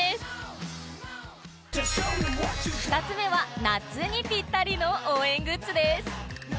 ２つ目は夏にピッタリの応援グッズです